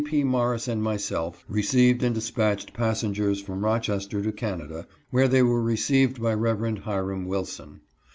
P. Morris and myself received and dispatched passengers from Rochester to Canada, where they were received by Rev. Hiram Wilson.